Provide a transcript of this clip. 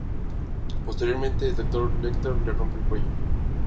Posteriormente, el Dr. Lecter le rompe el cuello.